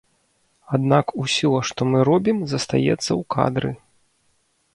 Аднак усё, што мы робім, застаецца ў кадры.